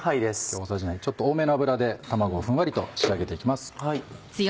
今日はちょっと多めの油で卵をふんわりと仕上げて行きます。